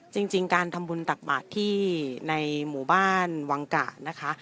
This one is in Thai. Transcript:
จริงการทำบุญตักบาทที่ในหมู่บ้านวังกะนะคะ